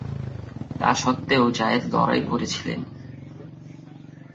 তা সত্ত্বেও জায়েদ লড়াই করেছিলেন।